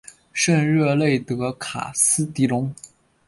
圣热内德卡斯蒂隆。